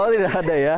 oh tidak ada ya